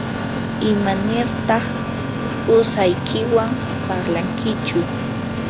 ¿imanirtaq qusaykiwan parlankichu?